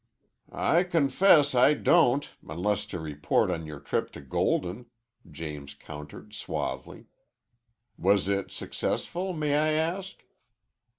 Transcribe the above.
"I confess I don't, unless to report on your trip to Golden," James countered suavely. "Was it successful, may I ask?"